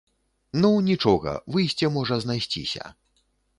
Ну, нічога, выйсце можа знайсціся.